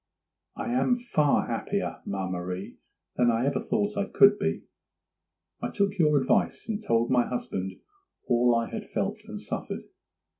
'I am far happier, ma Marie, than I ever thought I could be. I took your advice, and told my husband all I had felt and suffered.